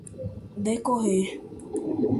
decorrer